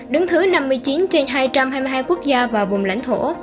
đứng thứ năm mươi chín trên hai trăm hai mươi hai quốc gia và vùng lãnh thổ